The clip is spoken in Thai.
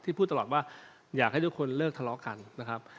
พูดตลอดว่าอยากให้ทุกคนเลิกทะเลาะกันนะครับ